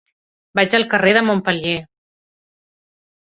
Vaig al carrer de Montpeller.